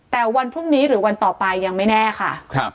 แต่วันพรุ่งนี้หรือวันต่อไปยังไม่แน่ค่ะ